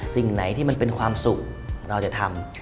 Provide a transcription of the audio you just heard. สิ่งไหนที่มันเป็นความสุขเราจะทำ